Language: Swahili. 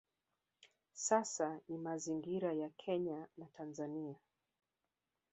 Sasa ni mazingira ya Kenya na Tanzania